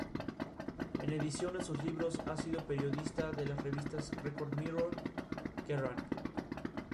Finalmente regresó a Defensores de Belgrano por su revancha para conseguir el ascenso.